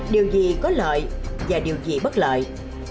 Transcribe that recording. điều gì có lợi và điều gì bất lợi